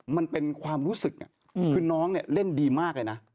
มันเป็นความรู้สึกคือน้องเนี่ยเล่นดีมากเลยนะ